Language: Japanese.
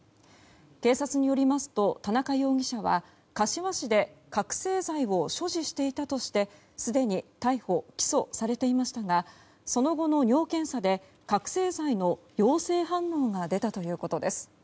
警察によりますと田中容疑者は柏市で覚醒剤を所持していたとしてすでに逮捕・起訴されていましたがその後の尿検査で覚醒剤の陽性反応が出たということです。